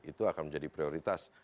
itu akan menjadi prioritas